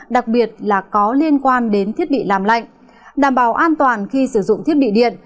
đặc biệt là có liên quan đến thiết bị làm lạnh đảm bảo an toàn khi sử dụng thiết bị điện